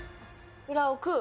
裏を食う。